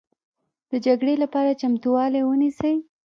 د جګړې لپاره چمتوالی ونیسئ